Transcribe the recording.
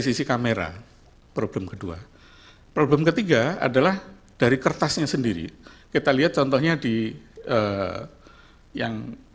sisi kamera problem kedua problem ketiga adalah dari kertasnya sendiri kita lihat contohnya di yang